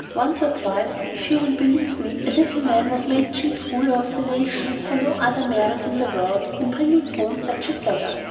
Once or twice, if you will believe me, a little man was made chief ruler of the nation for no other merit in the world than bringing home such a feather.